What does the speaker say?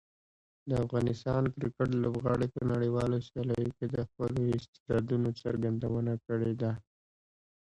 د افغان کرکټ لوبغاړي په نړیوالو سیالیو کې د خپلو استعدادونو څرګندونه کړې ده.